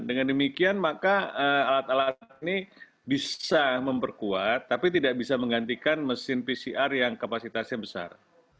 dengan demikian maka alat alat ini bisa memperkuat tapi tidak bisa menggantikan mesin pcr yang kapasitasnya besar